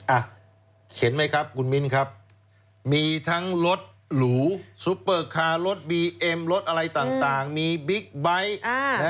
อ่ะเข็นไหมครับคุณมิ้นครับมีทั้งรถหลูรถบีเอ็มรถอะไรต่างมีบิ๊กไบท์